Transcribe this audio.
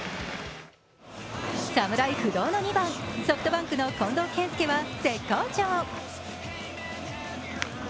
侍不動の２番・ソフトバンクの近藤健介は絶好調。